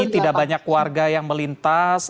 tidak banyak warga yang melintas